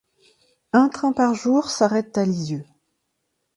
Un train par jour s'arrête à Lisieux.